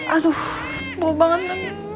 aduh bau banget